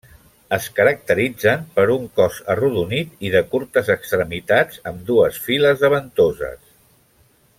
Es caracteritzen per un cos arrodonit i de curtes extremitats, amb dues files de ventoses.